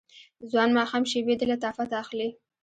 ځوان ماښام شیبې د لطافت اخلي